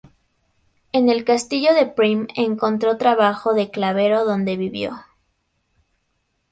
En el castillo de Prim encontró trabajo de Clavero donde vivió.